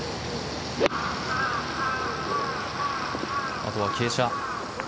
あとは傾斜。